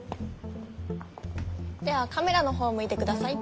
ではカメラの方を向いてください。